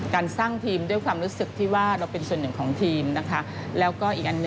การสร้างทีมด้วยความรู้สึก